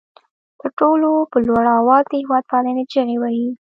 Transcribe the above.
تر ټولو په لوړ آواز د هېواد پالنې چغې وهي.